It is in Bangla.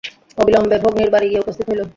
অবিলম্বে ভগ্নীর বাড়ি গিয়া উপস্থিত হইল।